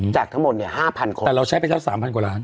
จากทั้งหมดเนี่ยห้าพันคนแต่เราใช้ไปเท่าสามพันกว่าล้าน